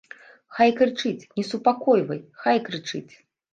Хай крычыць, не супакойвай, хай крычыць.